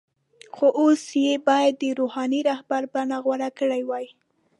خو اوس یې باید د “روحاني رهبر” بڼه غوره کړې وای.